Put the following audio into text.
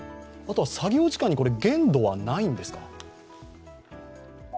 作業時間に限度はないんですか？